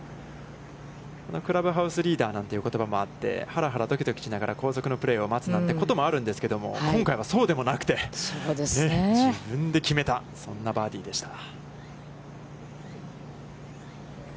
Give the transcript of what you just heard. クラブハウスリーダーなんて言葉もあって、はらはらどきどきしながら後続のプレーを待つということもあるんですが、今回はそうでもなくて、自分で決めた、そんなバーディーでした。